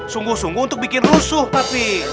sungguh sungguh untuk bikin rusuh tapi